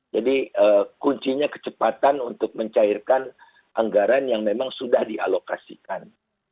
jadi kuncinya kecepatan untuk mencairkan anggaran yang memang sudah dialokasikan